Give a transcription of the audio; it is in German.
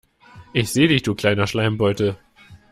Ich seh dich du kleiner Schleimbeutel.